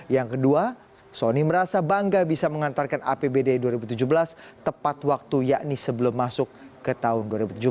yang kedua sony merasa bangga bisa mengantarkan apbd dua ribu tujuh belas tepat waktu yakni sebelum masuk ke tahun dua ribu tujuh belas